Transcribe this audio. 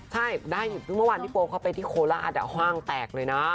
คือเมื่อวานพี่โป๊บเขาไปที่โคลาทอ่ะหว้างแตกเลยนะ